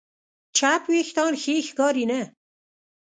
چپ وېښتيان ښې ښکاري نه.